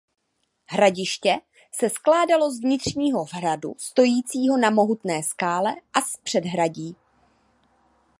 Hradiště se skládalo z vnitřního hradu stojícího na mohutné skále a z předhradí.